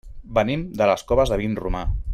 Venim de les Coves de Vinromà.